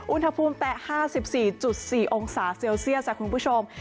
อุณหภูมิแตะ๕๔๔องศาเซลเซียสค่ะคุณผู้ชม